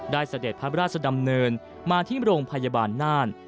เสด็จพระราชดำเนินมาที่โรงพยาบาลน่าน